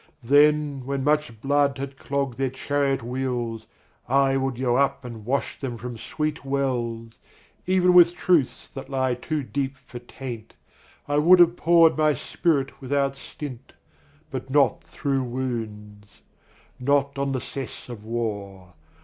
Then, when much blood had clogged their chariot wheels I would go up and wash them from sweet wells, Even with truths that lie too deep for taint. I would have poured my spirit without stint But not through wounds; not on the cess of war.